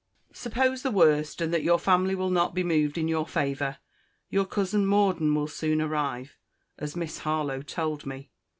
Suppose the worst, and that your family will not be moved in your favour, your cousin Morden will soon arrive, as Miss Harlowe told me.